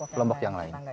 kelompok yang lain